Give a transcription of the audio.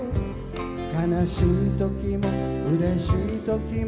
「悲しい時も嬉しい時も」